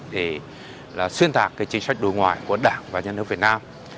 để là xuyên thạc cái chính sách đối ngoại của đảng và nhân hợp việt nam